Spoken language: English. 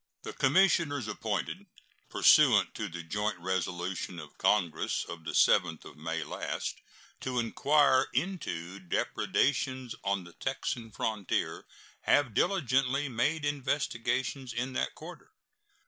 The commissioners appointed, pursuant to the joint resolution of Congress of the 7th of May last, to inquire into depredations on the Texan frontier have diligently made investigations in that quarter.